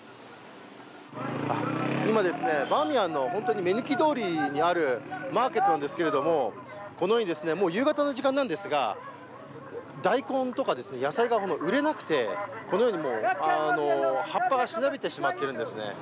今、バーミヤンの目抜き通りにあるマーケットなんですけれども、このように夕方の時間なんですが、大根とか野菜が売れなくて葉っぱがしなびてしまっているんですね。